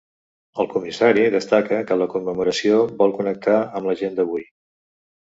El comissari destaca que la commemoració vol connectar amb la gent d’avui.